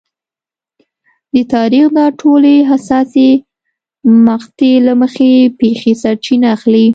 د تاریخ دا ټولې حساسې مقطعې له هغې پېښې سرچینه اخلي.